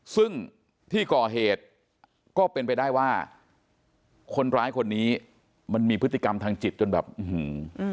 ซึ่งที่ก่อเหตุก็เป็นไปได้ว่าคนร้ายคนนี้มันมีพฤติกรรมทางจิตจนแบบอื้อหือ